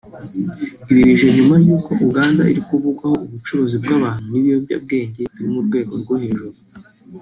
Ibi bije nyuma yaho Uganda iri kuvugwaho ubucuruzi bw’abantu n’ibiyobya bwenge buri mu rwego rwo hejuru